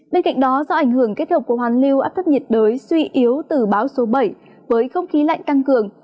bên cạnh đó do ảnh hưởng kết hợp của hoàn lưu áp thấp nhiệt đới suy yếu từ bão số bảy với không khí lạnh tăng cường